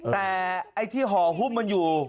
แต่ไอ้ที่ห่อหุ้มมันอยู่